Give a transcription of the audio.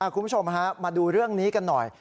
คุณผู้ชมฮะมาดูเรื่องนี้กันหน่อย